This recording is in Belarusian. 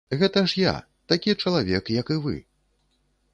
Гэта ж я, такі чалавек, як і вы.